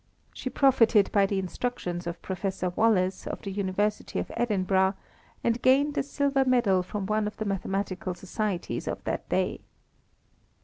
She profited by the instructions of Professor Wallace, of the University of Edinburgh, and gained a silver medal from one of the mathematical societies of that day.